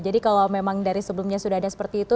kalau memang dari sebelumnya sudah ada seperti itu